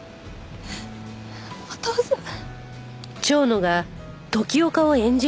お父さん。